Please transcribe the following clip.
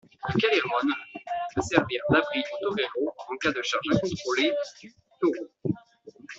Le callejón peut servir d'abris aux toreros en cas de charge incontrôlée du taureau.